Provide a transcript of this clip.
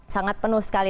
sangat penuh sekali